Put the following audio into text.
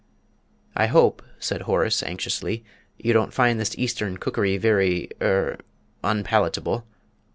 "I hope," said Horace, anxiously, "you don't find this Eastern cookery very er unpalatable?"